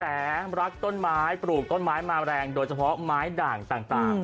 แต่รักต้นไม้ปลูกต้นไม้มาแรงโดยเฉพาะไม้ด่างต่าง